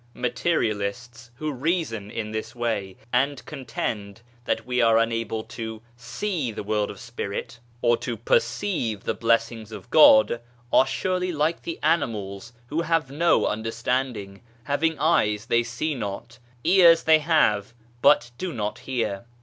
Materialists who reason in this way, and contend that we are unable to see the world of Spirit, or to perceive 86 DESIRES AND PRAYERS the blessings of God, are surely like the animals who have no understanding ; having eyes they see not, ears they have, but do not hear.